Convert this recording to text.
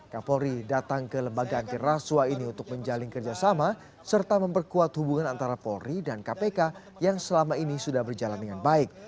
kapolri datang ke lembaga antiraswa ini untuk menjalin kerjasama serta memperkuat hubungan antara polri dan kpk yang selama ini sudah berjalan dengan baik